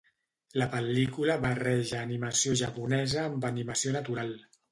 La pel·lícula barreja animació japonesa amb animació natural.